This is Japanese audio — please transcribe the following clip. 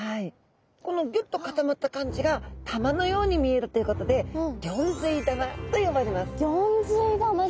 このギュッと固まった感じが玉のように見えるということでギョンズイ玉と呼ばれます。